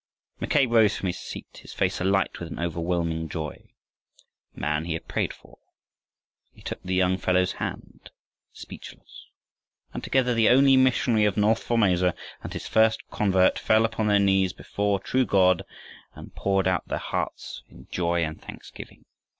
Mackay rose from his seat, his face alight with an overwhelming joy. The man he had prayed for! He took the young fellow's hand speechless. And together the only missionary of north Formosa and his first convert fell upon their knees before the true God and poured out their hearts in joy and thanksgiving.